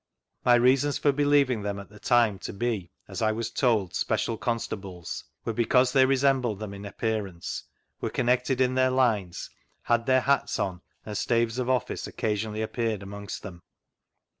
My reasons for believing them at the time to be (as I was told) special constables, were because they resembled them in appearance, were coiuiected in their lines, had their hats on, and staves of office occasionally appeared {imongst them.